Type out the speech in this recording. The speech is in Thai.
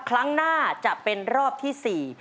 ครั้งหน้าจะเป็นรอบที่๔